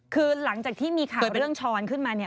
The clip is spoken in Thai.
คือหลังจากที่มีข่าวเรื่องช้อนขึ้นมาเนี่ย